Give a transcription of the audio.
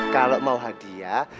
kalau mau hadiah